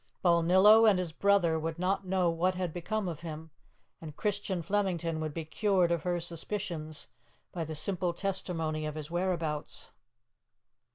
Balnillo and his brother would not know what had become of him, and Christian Flemington would be cured of her suspicions by the simple testimony of his whereabouts.